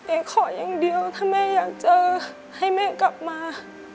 ขออย่างเดียวถ้าแม่อยากเจอให้แม่กลับมา